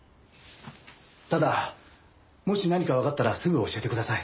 ただもし何かわかったらすぐ教えてください。